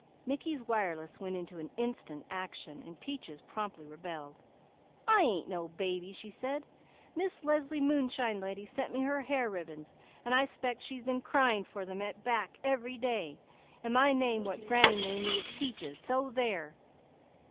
Mickey's wireless went into instant action so Peaches promptly rebelled. "I ain't no baby!" she said. "Miss Leslie Moonshine Lady sent me her hair ribbons and I 'spect she's been crying for them back every day; and my name what granny named me is Peaches, so there!"